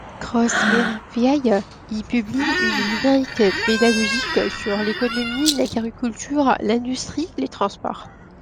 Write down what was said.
Cros-Mayrevieille y publie une rubrique pédagogique sur l'économie, l'agriculture, l'industrie, les transports.